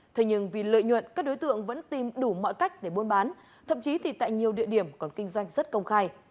thế nhưng vì lợi nhuận các đối tượng vẫn tìm đủ mọi cách để buôn bán thậm chí thì tại nhiều địa điểm còn kinh doanh rất công khai